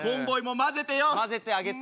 交ぜてあげて。